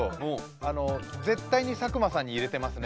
あの絶対に佐久間さんに入れてますね